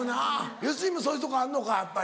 吉住もそういうとこあんのかやっぱり。